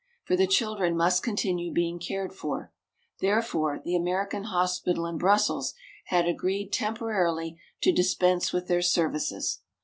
For the children must continue being cared for. Therefore, the American hospital in Brussels had agreed temporarily to dispense with their services.